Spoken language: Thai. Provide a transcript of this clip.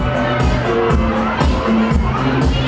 ไม่ต้องถามไม่ต้องถาม